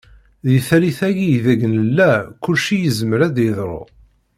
Di tallit-agi ideg nella kullci yezmer a d-yeḍru.